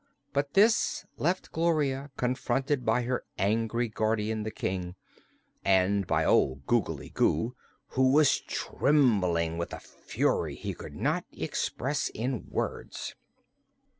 But this left Gloria confronted by her angry guardian, the King, and by old Googly Goo, who was trembling with a fury he could not express in words.